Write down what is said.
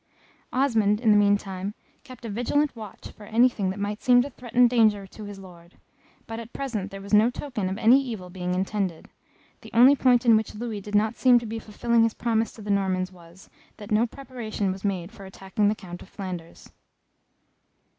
Osmond, in the meantime, kept a vigilant watch for anything that might seem to threaten danger to his Lord; but at present there was no token of any evil being intended; the only point in which Louis did not seem to be fulfilling his promises to the Normans was, that no preparations were made for attacking the Count of Flanders.